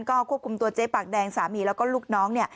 ก็ควบคุมตัวเจ๊ปากแดงสามีแล้วก็ลูกน้อง